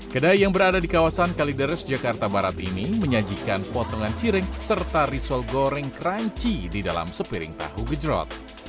kedai yang berada di kawasan kalideres jakarta barat ini menyajikan potongan cireng serta risol goreng crunchy di dalam sepiring tahu gejrot